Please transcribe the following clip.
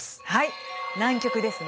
南極ですね。